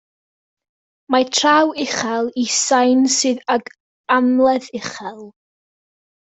Mae traw uchel i sain sydd ag amledd uchel.